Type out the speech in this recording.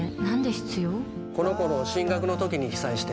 この子の進学の時に被災して。